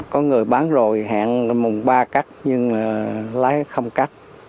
có người bán rồi hẹn là mùng ba cắt nhưng là lái không cắt